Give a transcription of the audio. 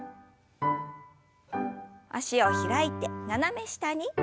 脚を開いて斜め下に。